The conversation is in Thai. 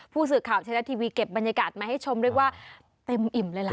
ผู้สื่อข่าวไทยรัฐทีวีเก็บบรรยากาศมาให้ชมเรียกว่าเต็มอิ่มเลยล่ะ